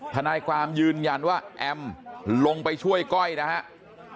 ทนายความยืนยันว่าแอมลงไปช่วยก้อยนะครับ